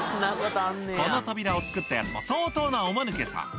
この扉を作ったヤツも相当なおマヌケさん